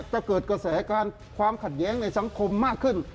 เกิดกระแสการความขัดแย้งในสังคมมากขึ้น